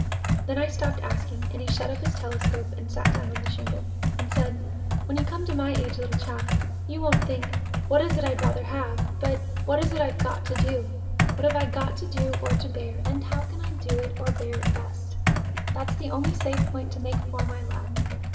Then I stopped asking, and he shut up his telescope, and sat down on the shingle, and said, "When you come to my age, little chap, you won't think 'What is it I'd rather have?' but, 'What is it I've got to do?' 'What have I got to do or to bear; and how can I do it or bear it best?' That's the only safe point to make for, my lad.